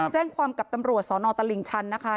แจ้งความกับตำรวจสนตลิ่งชันนะคะ